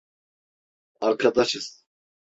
Arkadaşız.